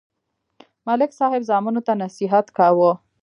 ملک صاحب زامنو ته نصیحت کاوه.